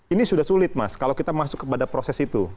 ini sudah sulit mas kalau kita masuk kepada proses itu